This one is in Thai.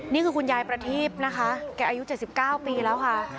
นี่คือคุณยายประทีพนะคะแกอายุ๗๙ปีแล้วค่ะ